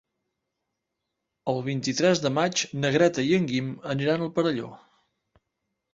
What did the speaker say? El vint-i-tres de maig na Greta i en Guim aniran al Perelló.